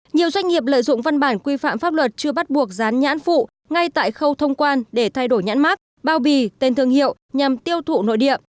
nhiều doanh nghiệp lợi dụng văn bản quy phạm pháp luật chưa bắt buộc rán nhãn phụ ngay tại khâu thông quan để thay đổi nhãn mát bao bì tên thương hiệu nhằm tiêu thụ nội địa